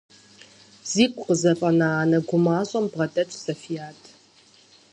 Зигу къызэфӀэна анэ гумащӀэм бгъэдэтщ Софят.